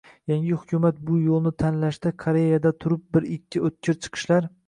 Yangi hukumat bu yo‘lni tanlaganda, Koreyada turib bir-ikki o‘tkir chiqishlar